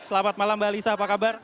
selamat malam mbak alisa apa kabar